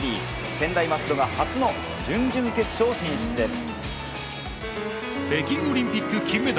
専大松戸が初の準々決勝進出です。